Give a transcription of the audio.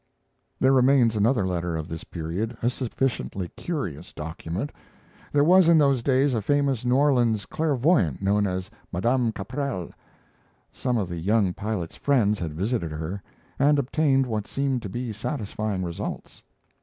There remains another letter of this period a sufficiently curious document. There was in those days a famous New Orleans clairvoyant known as Madame Caprell. Some of the young pilot's friends had visited her and obtained what seemed to be satisfying results.